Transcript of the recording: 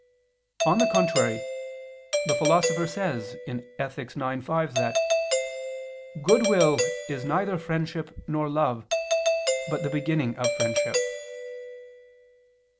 On the contrary, The Philosopher says (Ethic. ix, 5) that "goodwill is neither friendship nor love, but the beginning of friendship."